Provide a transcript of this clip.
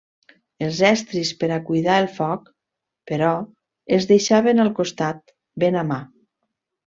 Els estris per a cuidar el foc, però, es deixaven al costat, ben a mà.